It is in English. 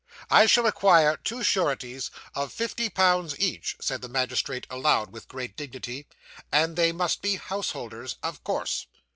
'I shall require two sureties of fifty pounds each,' said the magistrate aloud, with great dignity, 'and they must be householders, of course.